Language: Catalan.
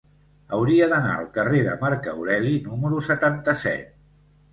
Hauria d'anar al carrer de Marc Aureli número setanta-set.